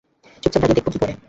চুপচাপ দাঁড়িয়ে দেখবো কী করে?